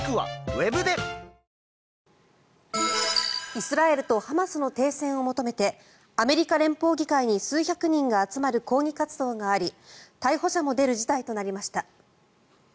イスラエルとハマスの停戦を求めてアメリカ連邦議会に数百人が集まる抗議活動があり逮捕者も出る事態となりました。